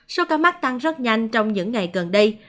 số ca mắc tăng rất nhanh trong những ngày gần đây